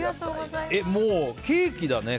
もう、ケーキだね